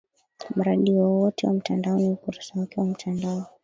mradi wowote wa mtandao ni ukurasa wake wa mtandao